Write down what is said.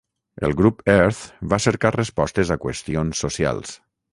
El grup Earth va cercar respostes a qüestions socials.